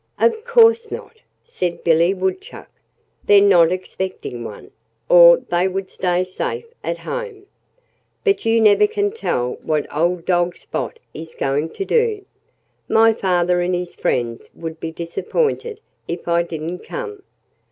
"Of course not!" said Billy Woodchuck. "They're not expecting one, or they would stay safe at home. But you never can tell what old dog Spot is going to do. My father and his friends would be disappointed if I didn't come.